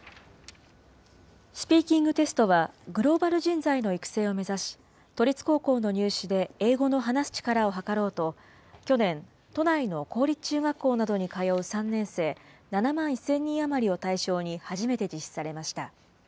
スピーキングテストは、グローバル人材の育成を目指し、都立高校の入試で英語の話す力をはかろうと、去年、都内の公立中学校などに通う３年生７万１０００人余りを対象に初めて実施されました。